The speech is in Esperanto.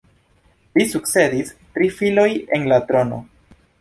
Li sukcedis tri filoj en la trono.